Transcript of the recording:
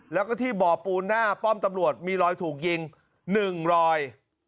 แล้วก็ที่บ่อปูนหน้าป้อมตำรวจมีรอยถูกยิง๑รอย